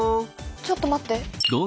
ちょっと待って。